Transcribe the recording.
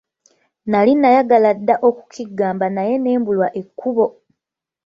Nali nayagala dda okukiggamba naye ne mbulwa ekkubo!